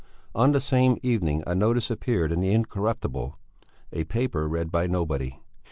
On the same evening a notice appeared in the Incorruptible, a paper read by nobody.